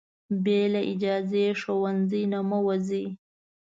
بې له اجازې له ښوونځي نه مه وځئ.